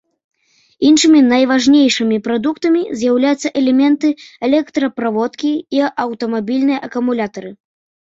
Іншымі найважнейшымі прадуктамі з'яўляюцца элементы электраправодкі і аўтамабільныя акумулятары.